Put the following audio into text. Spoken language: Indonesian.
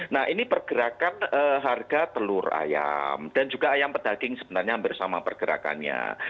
nah ini pergerakan harga telur ayam dan juga ayam pedaging sebenarnya hampir sama pergerakannya